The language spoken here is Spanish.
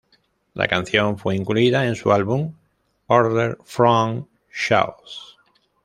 La canción fue incluida en su álbum, "Order from Chaos".